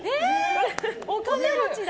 お金持ちだ。